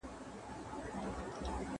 ¬ قيامت به کله سي، چي د زوى او مور اکله سي.